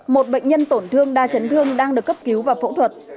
một bệnh nhân tổn thương đa chấn thương đang được cấp cứu và phẫu thuật